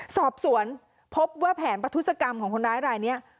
สอบสวนพบว่าแผนประทุศกรรมของคนร้ายรายนี้